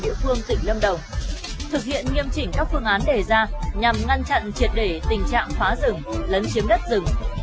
địa phương tỉnh lâm đồng thực hiện nghiêm chỉnh các phương án đề ra nhằm ngăn chặn triệt để tình trạng phá rừng lấn chiếm đất rừng